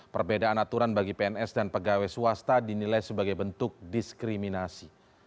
perbedaan aturan bagi pns dan pegawai swasta dinilai sebagai bentuk diskriminasi